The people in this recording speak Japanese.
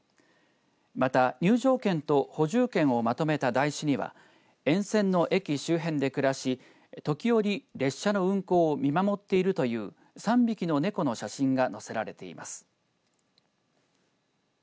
また、入場券と補充券をまとめた台紙には沿線の駅周辺で暮らし時折、列車の運行を見守っているという３匹の猫の写真が載せられています。